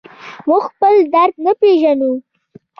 موږ خپل درد نه پېژنو.